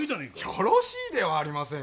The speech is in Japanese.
よろしいではありませんか。